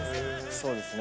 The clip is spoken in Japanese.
そうですね。